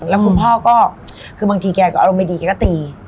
แล้วคุณพ่อก็คือบางทีแกก็อารมณ์ไม่ดีแกก็ตี